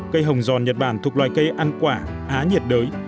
cây hồng giòn nhật bản thuộc loài cây ăn quả á nhiệt đới